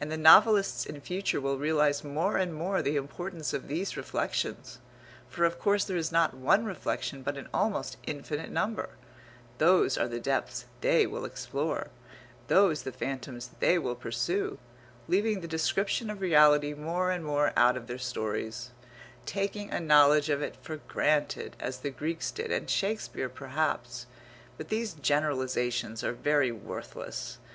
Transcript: And the novelists in future will realize more and more the importance of these reflections, for of course there is not one reflection but an almost infinite number; those are the depths they will explore, those the phantoms they will pursue, leaving the description of reality more and more out of their stories, taking a knowledge of it for granted, as the Greeks did and Shakespeare perhaps but these generalizations are very worthless.